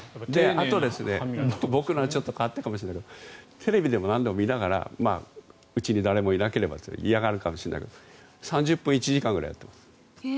あと、僕のはちょっと変わっているかもしれないけどテレビでも何でも見ながらうちに誰もいなければ嫌がるかもしれないけど３０分、１時間ぐらいやっています。